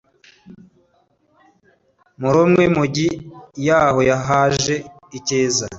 muri umwe mu migi yaho haje ikiza